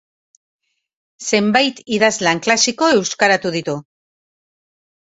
Zenbait idazlan klasiko euskaratu ditu.